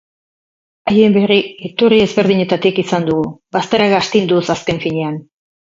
Haien berri iturri ezberdinetatik izan dugu, bazterrak astinduz azken finean.